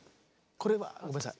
これはごめんなさい。